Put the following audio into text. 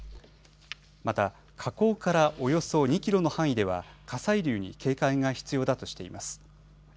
また火口からおよそ２キロの範囲では火砕流に警戒が必要だとしています。